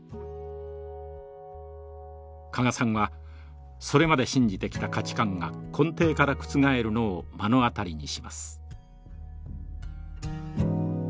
加賀さんはそれまで信じてきた価値観が根底から覆るのを目の当たりにします。